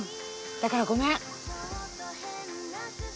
だからごめん。